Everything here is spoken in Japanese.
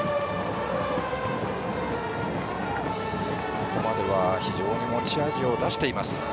ここまでは非常に持ち味を出しています。